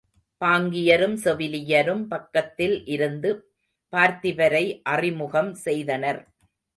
பாங்கியரும் செவிலியரும் பக்கத்தில் இருந்து பார்த்திபரை அறிமுகம் செய்தனர்.